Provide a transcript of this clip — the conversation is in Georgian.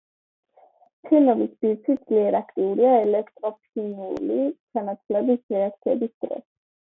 ფენოლის ბირთვი ძლიერ აქტიურია ელექტროფილური ჩანაცვლების რეაქციების დროს.